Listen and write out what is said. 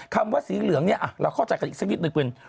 คำว่าสีเหลืองเนี่ยเราเข้าใจกันอีกสักนิดหนึ่งเป็น